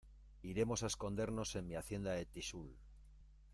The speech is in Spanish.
iremos a escondernos en mi Hacienda de Tixul.